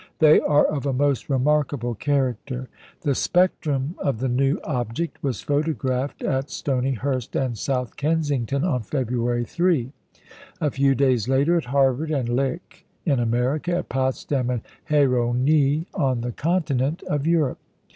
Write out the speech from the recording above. They are of a most remarkable character. The spectrum of the new object was photographed at Stonyhurst and South Kensington on February 3; a few days later, at Harvard and Lick in America, at Potsdam and Hérény on the Continent of Europe.